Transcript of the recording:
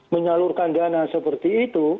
menyalurkan dana seperti ini